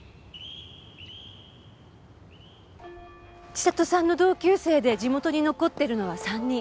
千里さんの同級生で地元に残ってるのは３人。